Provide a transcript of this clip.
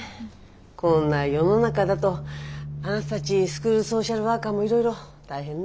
こんな世の中だとあなたたちスクールソーシャルワーカーもいろいろ大変ね。